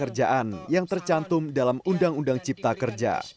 terkait klaster ketenaga kerjaan yang tercantum dalam undang undang cipta kerja